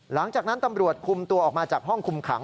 หลังจากนั้นตำรวจคุมตัวออกมาจากห้องคุมขัง